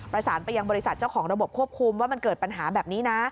ประสานไปยังบริษัทเจ้าของระบบควบคุมว่ามันเกิดปัญหาแบบนี้นะ